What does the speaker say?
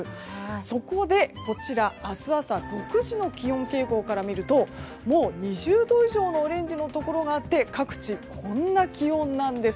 そこで、明日朝６時の気温傾向から見るともう、２０度以上のオレンジのところがあって各地、こんな気温なんです。